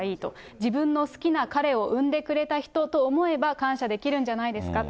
自分の好きな彼を産んでくれた人と思えば感謝できるんじゃないですかと。